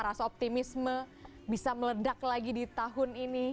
rasa optimisme bisa meledak lagi di tahun ini